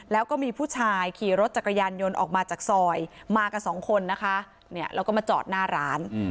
แล้วก็มีผู้ชายขี่รถจักรยานยนต์ออกมาจากซอยมากับสองคนนะคะแล้วก็มาจอดหน้าร้าน